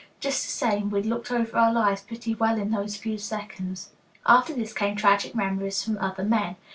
Just the same, we'd looked over our lives pretty well in those few seconds." After this came tragic memories from other men.